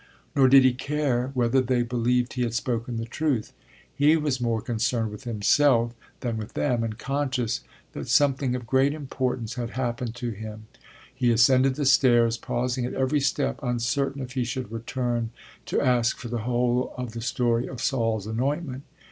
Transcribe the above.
Nor did he care whether they believed he had spoken the truth. He was more concerned with himself than with them, and conscious that something of great importance had happened to him he ascended the stairs, pausing at every step uncertain if he should return to ask for the whole of the story of Saul's anointment.